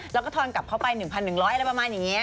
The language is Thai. แล้วก็ทอนกลับเข้าไป๑๑๐๐อะไรประมาณอย่างนี้